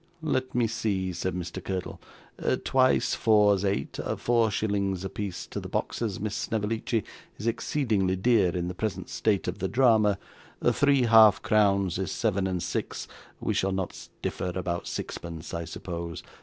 'Let me see,' said Mr. Curdle; 'twice four's eight four shillings a piece to the boxes, Miss Snevellicci, is exceedingly dear in the present state of the drama three half crowns is seven and six; we shall not differ about sixpence, I suppose?